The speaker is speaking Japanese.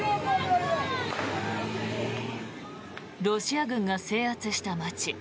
ロシア軍が制圧した街